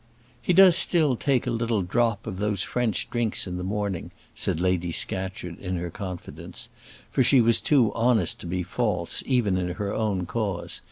"He does still take a little drop of those French drinks in the morning," said Lady Scatcherd, in her confidence; for she was too honest to be false, even in her own cause.